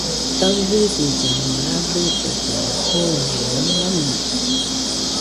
Taɨbɨsillano rabɨtofena jooeno maɨño